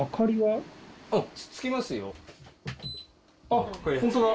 あっホントだ！